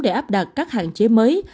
để áp đặt các hạn chế mới